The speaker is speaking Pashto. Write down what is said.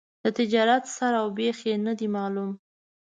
د تجارت سر او بېخ یې نه دي معلوم.